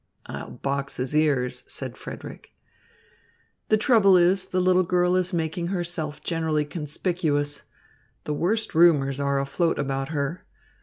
"I'll box his ears," said Frederick. "The trouble is, the little girl is making herself generally conspicuous. The worst rumours are afloat about her.